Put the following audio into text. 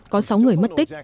có sáu người mất tích